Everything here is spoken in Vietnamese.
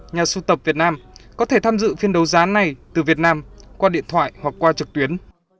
nhà sưu tập việt nam có thể tham dự phiên đấu giá này từ việt nam qua điện thoại hoặc qua trực tuyến